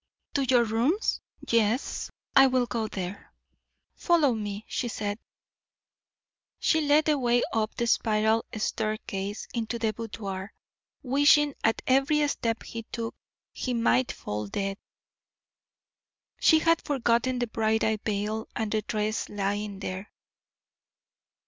"To your rooms? Yes, I will go there." "Follow me," she said. She led the way up the spiral staircase into the boudoir, wishing at every step he took he might fall dead. She had forgotten the bridal veil and dress lying there.